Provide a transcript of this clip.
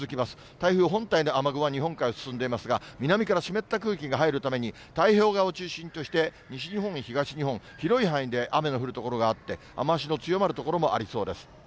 台風本体の雨雲は日本海を進んでいますが、南から湿った空気が入るために、太平洋側を中心として、西日本、東日本、広い範囲で雨の降る所があって、雨足の強まる所もありそうです。